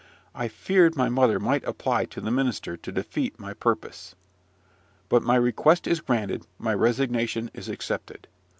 I feared my mother might apply to the minister to defeat my purpose. But my request is granted, my resignation is accepted.